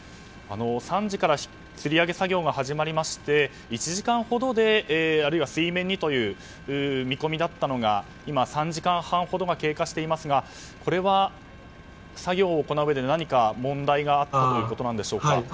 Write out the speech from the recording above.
３時からつり上げ作業が始まりまして１時間ほどで水面にという見込みだったのが今、３時間半ほどが経過していますがこれは、作業を行ううえで何か問題があったということでしょうか。